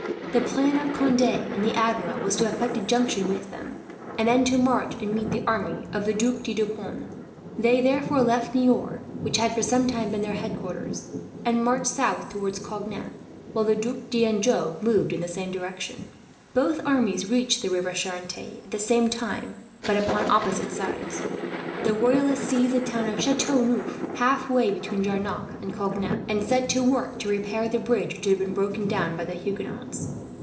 The plan of Conde and the Admiral was to effect a junction with them, and then to march and meet the army of the Duc de Deux Ponts. They therefore left Niort, which had for some time been their headquarters, and marched south towards Cognac; while the Duc d'Anjou moved in the same direction. Both armies reached the river Charente at the same time, but upon opposite sides. The Royalists seized the town of Chateau Neuf, halfway between Jarnac and Cognac; and set to work to repair the bridge, which had been broken down by the Huguenots.